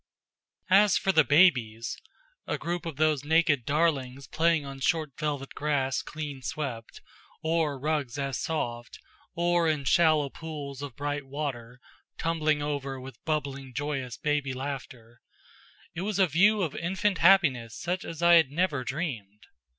As for the babies a group of those naked darlings playing on short velvet grass, clean swept; or rugs as soft; or in shallow pools of bright water; tumbling over with bubbling joyous baby laughter it was a view of infant happiness such as I had never dreamed.